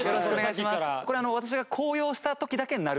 これ私が。